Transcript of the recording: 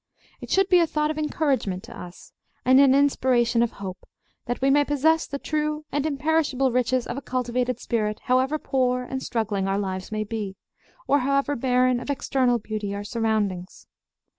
It should be a thought of encouragement to us, and an inspiration of hope that we may possess the true and imperishable riches of a cultivated spirit, however poor and struggling our lives may be, or however barren of external beauty our surroundings.